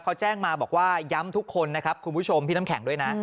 เขาแจ้งมาบอกว่าย้ำทุกคนนะครับคุณผู้ชมพี่น้ำแข็งด้วยนะ